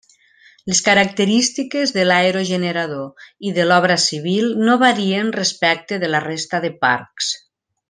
Les característiques de l'aerogenerador i de l'obra civil no varien respecte de la resta de parcs.